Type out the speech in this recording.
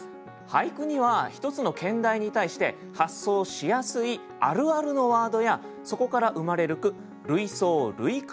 俳句には一つの兼題に対して発想しやすいあるあるのワードやそこから生まれる句類想類句というものがあります。